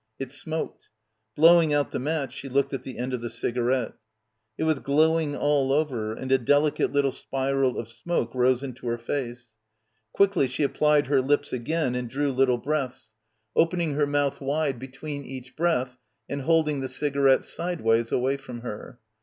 It smoked. Blowing out the match she looked at the end of the cigarette. It was glowing all over and a delicate little spiral of smoke rose into her face. Quickly she applied her lips again and drew little breaths, opening her mouth wide between each breath and holding the cigarette sideways away from her.